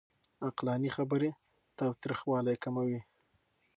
عقلاني خبرې تاوتريخوالی کموي.